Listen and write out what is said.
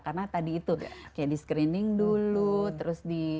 karena tadi itu kayak di screening dulu terus di